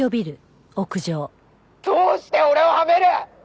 「どうして俺をはめる！？」